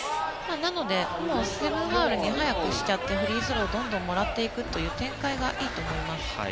なのでセブンファウルにしちゃってフリースローをどんどんもらっていく展開がいいと思います。